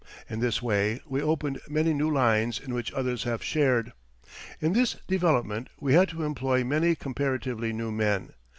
In this way we opened many new lines in which others have shared. In this development we had to employ many comparatively new men.